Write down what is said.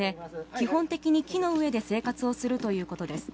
基本的に木の上で生活をするということです。